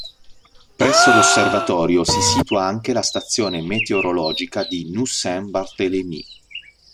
Presso l'osservatorio si situa anche la stazione meteorologica di Nus-Saint-Barthélemy.